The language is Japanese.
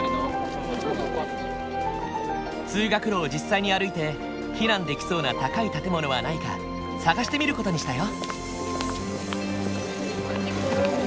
通学路を実際に歩いて避難できそうな高い建物はないか探してみる事にしたよ。